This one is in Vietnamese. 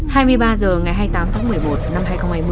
hai mươi ba h ngày hai mươi tám tháng một mươi một năm hai nghìn hai mươi